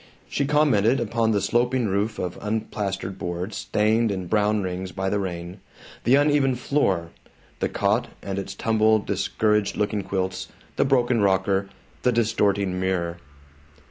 She commented upon the sloping roof of unplastered boards stained in brown rings by the rain, the uneven floor, the cot and its tumbled discouraged looking quilts, the broken rocker, the distorting mirror.